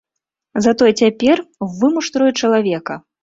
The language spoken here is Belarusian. Затое цяпер вымуштрую чалавека.